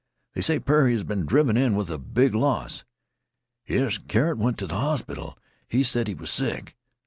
"They say Perry has been driven in with big loss." "Yes, Carrott went t' th' hospital. He said he was sick.